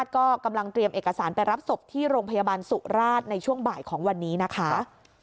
ก็กำลังเตรียมเอกสารไปรับศพที่โรงพยาบาลสุราชในช่วงบ่ายของวันนี้นะคะ